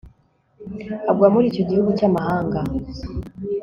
agwa muri icyo gihugu cy'amahanga